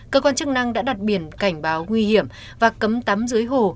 cơ quan chức năng đã đặt biển cảnh báo nguy hiểm và cấm tắm dưới hồ